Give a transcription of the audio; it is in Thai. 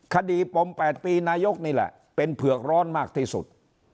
คดีปม๘ปีนายกนี่แหละเป็นเผือกร้อนมากที่สุด